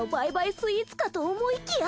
スイーツかと思いきや。